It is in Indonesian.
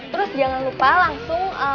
terus jangan lupa langsung